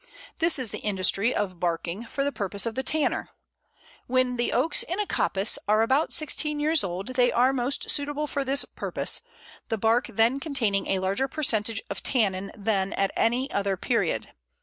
This is the industry of barking for the purpose of the tanner. When the Oaks in a coppice are about sixteen years old they are most suitable for this purpose, the bark then containing a larger percentage of tannin than at any other period.